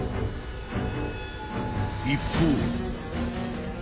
［一方］